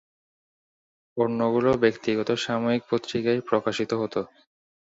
অন্যগুলো ব্যক্তিগত সাময়িক পত্রিকায় প্রকাশিত হতো।